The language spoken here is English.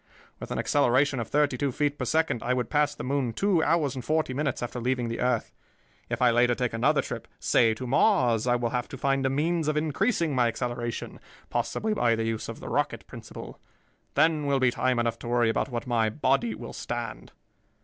With an acceleration of thirty two feet per second, I would pass the moon two hours and forty minutes after leaving the earth. If I later take another trip, say to Mars, I will have to find a means of increasing my acceleration, possibly by the use of the rocket principle. Then will be time enough to worry about what my body will stand."